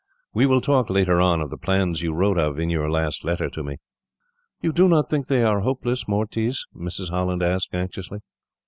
We will talk, later on, of the plans you wrote of in your last letter to me." "You do not think that they are hopeless, Mortiz?" Mrs. Holland asked, anxiously.